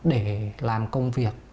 để làm công việc